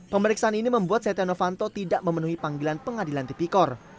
pemeriksaan ini membuat setia novanto tidak memenuhi panggilan pengadilan tipikor